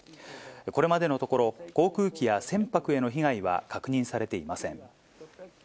これまでのところ、航空機や船舶への被害は確認されていません。